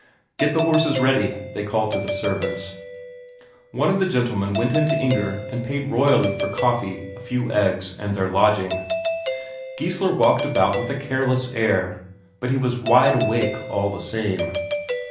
"Get the horses ready," they called to the servants. One of the gentlemen went in to Inger and paid royally for coffee, a few eggs, and their lodging. Geissler walked about with a careless air, but he was wide awake all the same.